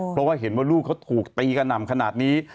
เพราะว่าเห็นว่าลูกเขาถูกตีกระหน่ำขนาดนี้